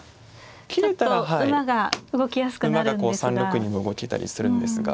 切れたら馬が３六にも動けたりするんですが。